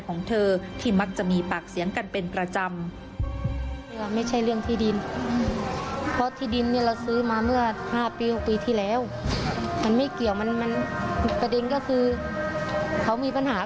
ของเธอที่มักจะมีปากเสียงกันเป็นประจำ